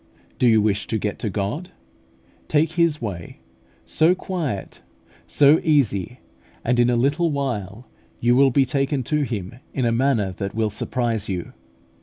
Do you wish to get to God? Take His way, so quiet, so easy, and in a little while you will be taken to Him in a manner that will surprise you.